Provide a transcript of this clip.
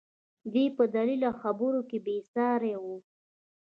دى په دليل او خبرو کښې بې سارى و.